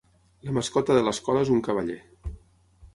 La mascota de l'escola és un cavaller.